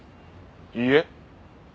いいえ。